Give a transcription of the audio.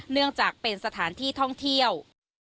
เนื่องจากเป็นสถานที่ท่องเที่ยว